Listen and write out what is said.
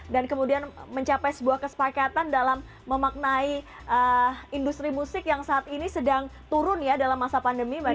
dan kemudian mencapai sebuah kesepakatan dalam memaknai industri musik yang saat ini sedang turun ya dalam masa pandemi mbak nia